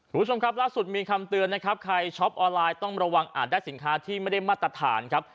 คุณผู้ชมครับล่าสุดมีคำเตือนนะครับใครช็อปออนไลน์ต้องระวังอาจได้สินค้าที่ไม่ได้มาตรฐานครับ